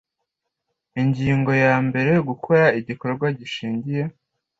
ingingo ya mbere gukora igikorwa gishingiye